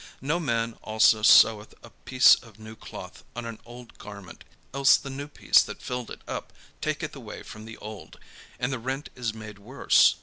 No man also seweth a piece of new cloth on an old garment: else the new piece that filled it up taketh away from the old, and the rent is made worse.